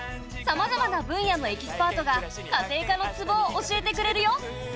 さまざまな分野のエキスパートが家庭科のツボを教えてくれるよ。